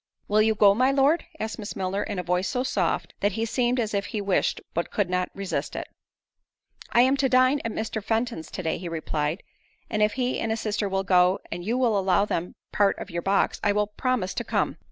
"Will you go, my Lord?" asked Miss Milner, in a voice so soft, that he seemed as if he wished, but could not resist it. "I am to dine at Mr. Fenton's to day," he replied; "and if he and his sister will go, and you will allow them part of your box, I will promise to come."